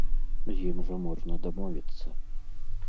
З ім жа можна дамовіцца.